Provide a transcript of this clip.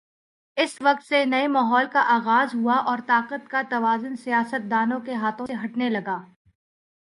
اس وقت سے نئے ماحول کا آغاز ہوا اور طاقت کا توازن سیاستدانوں کے ہاتھوں سے ہٹنے لگا۔